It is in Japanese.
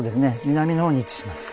南の方に位置します。